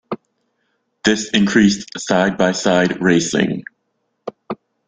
This increased side-by-side racing.